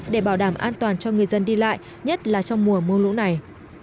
để bảo đảm an toàn cho người dân đi lại nhất là trong mùa mưa lũ này